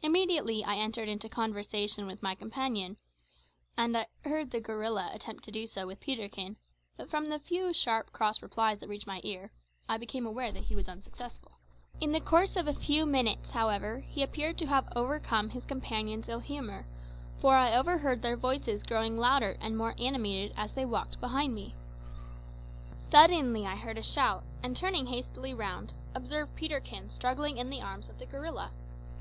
Immediately I entered into conversation with my companion, and I heard "the gorilla" attempt to do so with Peterkin; but from the few sharp cross replies that reached my ear, I became aware that he was unsuccessful. In the course of a few minutes, however, he appeared to have overcome his companion's ill humour, for I overheard their voices growing louder and more animated as they walked behind me. Suddenly I heard a shout, and turning hastily round, observed Peterkin struggling in the arms of the gorilla!